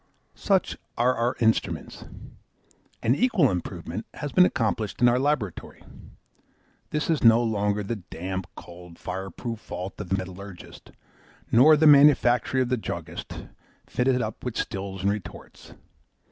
Such are our instruments. An equal improvement has been accomplished in our laboratory. This is no longer the damp, cold, fireproof vault of the metallurgist, nor the manufactory of the druggist, fitted up with stills and retorts.